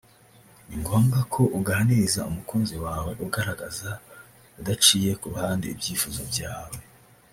ni ngombwa ko uganiriza umukunzi wawe ugaragaza udaciye ku ruhande ibyifuzo byawe